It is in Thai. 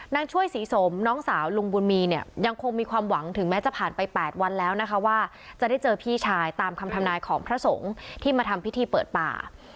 ช่วยศรีสมน้องสาวลุงบุญมีเนี่ยยังคงมีความหวังถึงแม้จะผ่านไป๘วันแล้วนะคะว่าจะได้เจอพี่ชายตามคำทำนายของพระสงฆ์ที่มาทำพิธีเปิดป่า